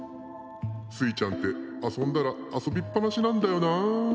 「スイちゃんってあそんだらあそびっぱなしなんだよなあ」。